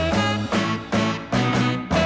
รับทราบ